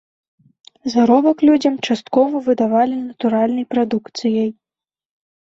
Заробак людзям часткова выдавалі натуральнай прадукцыяй.